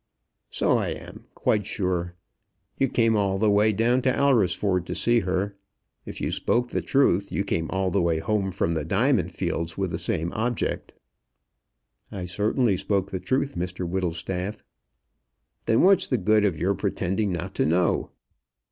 "So I am, quite sure. You came all the way down to Alresford to see her. If you spoke the truth, you came all the way home from the diamond fields with the same object." "I certainly spoke the truth, Mr Whittlestaff." "Then what's the good of your pretending not to know?"